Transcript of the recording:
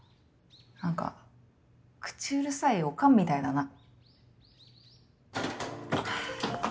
何か口うるさいオカンみたいだな。